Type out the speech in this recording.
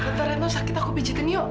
kak tareno sakit aku pijetin yuk